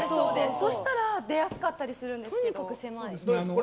そしたら出やすかったりするんですけど。